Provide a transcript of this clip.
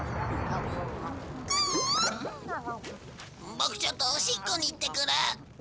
ボクちょっとおしっこに行ってくる。